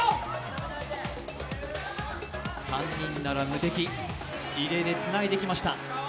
３人なら無敵、リレーでつないできました。